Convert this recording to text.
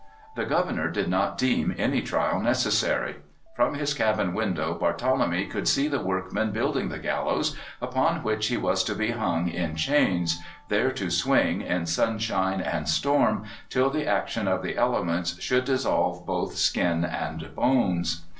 The governor did not deem any trial necessary. From his cabin window Barthelemy could see the workmen building the gallows, upon which he was to be hung in chains, there to swing, in sunshine and storm, till the action of the elements should dissolve both skin and bones.